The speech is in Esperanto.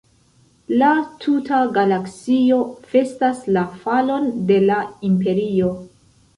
La tuta galaksio festas la falon de la Imperio.